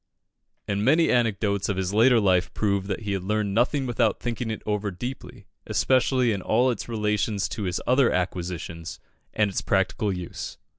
And many anecdotes of his later life prove that he learned nothing without thinking it over deeply, especially in all its relations to his other acquisitions and its practical use.